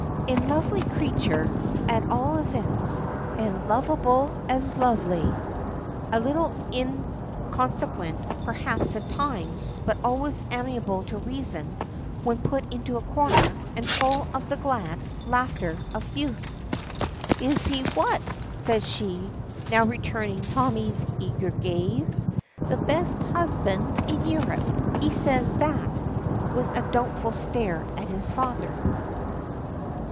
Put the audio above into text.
A lovely creature, at all events, and lovable as lovely. A little inconsequent, perhaps at times, but always amenable to reason, when put into a corner, and full of the glad, laughter of youth. "Is he what?" says she, now returning Tommy's eager gaze. "The best husband in Europe. He says he's that," with a doubtful stare at his father.